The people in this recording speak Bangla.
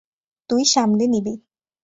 তুই সামলে নিবি।